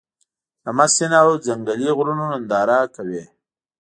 د مست سيند او ځنګلي غرونو ننداره کوې.